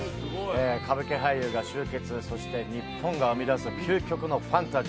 歌舞伎俳優が集結そして日本が生み出す究極のファンタジー